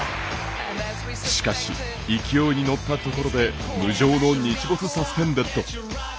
しかし、勢いに乗ったところで無情の日没サスペンデッド。